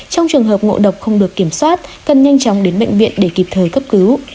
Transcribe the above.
trong trường hợp ngộ độc không được kiểm soát cần nhanh chóng đến bệnh viện để kịp thời cấp cứu